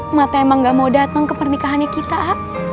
emak teh emang gak mau datang ke pernikahannya kita a